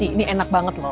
ini enak banget loh